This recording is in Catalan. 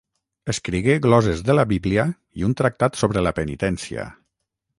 Escrigué glosses de la Bíblia i un tractat sobre la penitència.